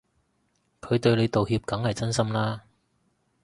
佢對你道歉梗係真心啦